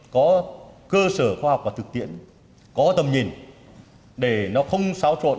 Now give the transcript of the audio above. có cơ sở khoa học và thực tiễn có tầm nhìn để nó không xáo trộn